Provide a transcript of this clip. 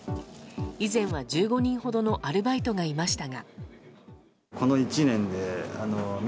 以前は１５人ほどのアルバイトがいましたが。